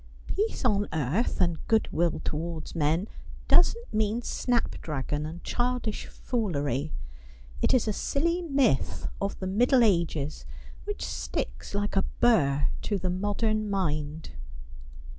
Peace on earth and goodwill towards men doesn't mean snapdragon and childish foolery. It is a silly myth of the Middle Ages, which sticks like a burr to the modern mind.'